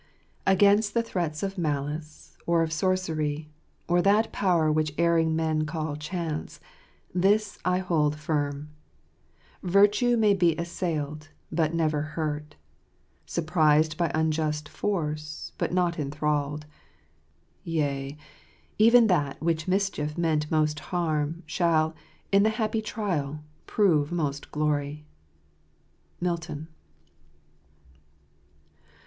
Against the threats of malice, or of sorcery, or that power Which erring men call Chance, this I hold firm : Virtue may be assailed, but never hurt ; Surprised by unjust force, but not enthralled ; Yea, even that which mischief meant most harm, Shall, in the happy trial, prove most glory," Milton.